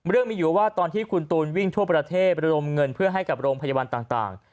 เรื่องมีอยู่ว่าตอนที่คุณตูนวิ่งทั่วประเทศระดมเงินเพื่อให้กับโรงพยาบาลต่าง